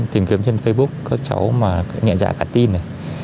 trên facebook các cháu mà nhẹ dạ cả tin